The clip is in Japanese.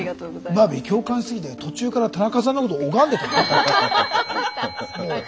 バービー共感しすぎて途中から田中さんのこと拝んでたよ。